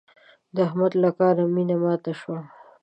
د احمد له کاره مينه ماته شوه.